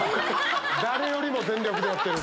誰よりも全力でやってる！